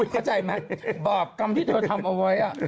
บาปกรรมที่เธอทำไว้อ่ะ